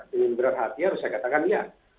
dengan berat hati harus saya katakan ya